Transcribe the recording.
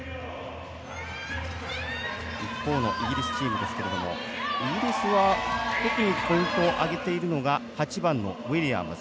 一方のイギリスチームですけれどもイギリスは特にポイントを挙げているのが８番のウィリアムズ